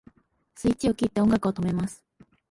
スイッチを切って音楽を止めます